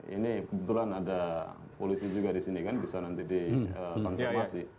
ini kebetulan ada polisi juga di sini kan bisa nanti dikonfirmasi